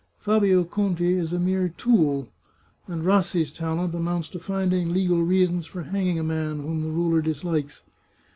Fabio Conti is a mere fool, and Rassi's talent amounts to finding legal reasons for hanging a man whom the ruler dislikes."